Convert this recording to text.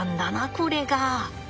これが。